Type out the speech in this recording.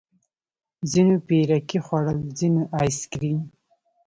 ځينو پيركي خوړل ځينو ايس کريم.